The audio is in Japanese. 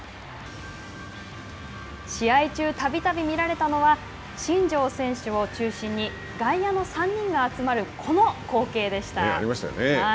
試合中たびたび見られたのは新庄選手を中心に外野の３人が集まるこの光景でした。